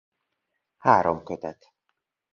Három kötet.